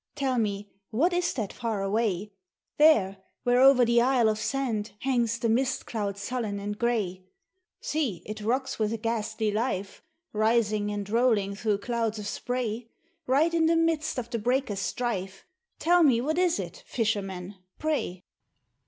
Tell me, what is that far away, There, where over the isle of sand Hangs the mist cloud sullen and gray? See! it rocks with a ghastly life, Rising and rolling through clouds of spray, Right in the midst of the breakers' strife, Tell me what is it, Fisherman, pray?"